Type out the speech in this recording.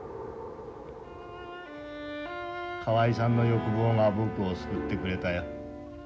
河合さんの欲望が僕を救ってくれたよ。